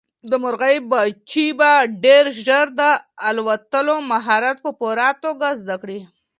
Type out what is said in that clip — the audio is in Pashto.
د مرغۍ بچي به ډېر ژر د الوتلو مهارت په پوره توګه زده کړي.